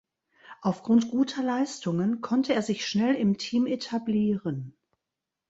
Auf Grund guter Leistungen konnte er sich schnell im Team etablieren.